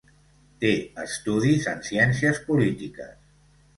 Té estudis en ciències polítiques.